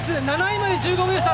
７位まで１５秒差！